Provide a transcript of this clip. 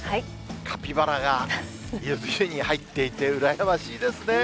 カピバラがゆず湯に入っていて羨ましいですね。